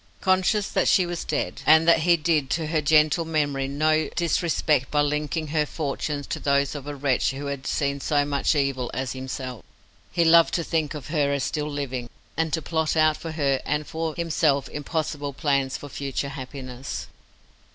Conscious that she was dead, and that he did to her gentle memory no disrespect by linking her fortunes to those of a wretch who had seen so much of evil as himself, he loved to think of her as still living, and to plot out for her and for himself impossible plans for future happiness.